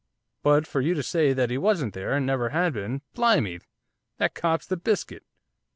But for you to say that he wasn't there, and never had been, blimey! that cops the biscuit.